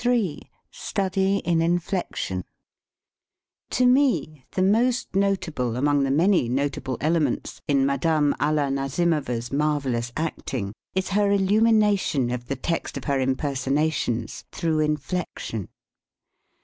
Ill STUDY IN INFLECTION TO me, the most notable among the many notable elements in Madame Alia Nazi mo va's marvellous acting is her illumination of the text of her impersonations through inflection.